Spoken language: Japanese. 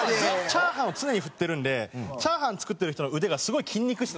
チャーハンを常に振ってるんでチャーハン作ってる人の腕がすごい筋肉質なんですよ。